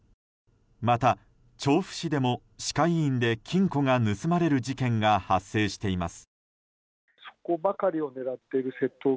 また調布市でも歯科医院で金庫が盗まれる事件が発生しています。